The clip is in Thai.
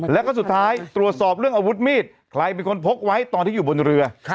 แล้วก็สุดท้ายตรวจสอบเรื่องอาวุธมีดใครเป็นคนพกไว้ตอนที่อยู่บนเรือ